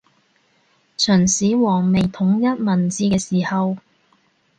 秦始皇未統一文字嘅時候